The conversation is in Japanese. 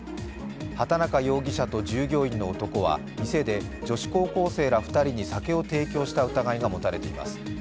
畑中社と従業員の男は店で女子高校生ら２人に酒を提供した疑いが持たれています。